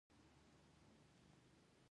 دا د کنټرول او تفتیش ادارې لخوا کیږي.